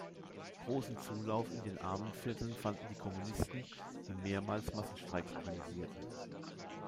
Großen Zulauf in den Armenvierteln fanden die Kommunisten, die mehrmals Massenstreiks organisierten.